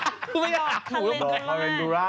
ดอกทาเวนดูระ